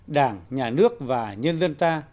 đảng nhà nước và nhân dân ta